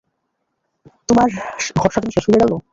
তোমার ঘর-সাজানো শেষ হইয়া গেল?